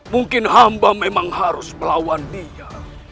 mungkin hamba memang harus melawan dia